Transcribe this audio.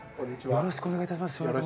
よろしくお願いします。